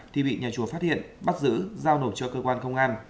thì bị nhà chùa phát hiện bắt giữ giao nộp cho cơ quan công an